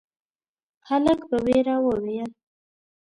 هلک په وېره وويل: